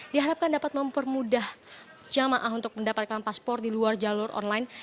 diharapkan dapat mempermudah jamaah untuk mendapatkan paspor di luar jalur online